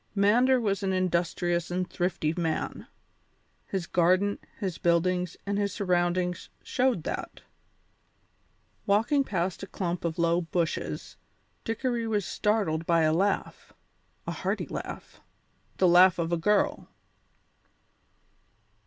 Mander was an industrious and thrifty man. His garden, his buildings, and his surroundings showed that. Walking past a clump of low bushes, Dickory was startled by a laugh a hearty laugh the laugh of a girl.